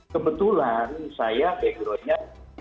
kebetulan saya begronya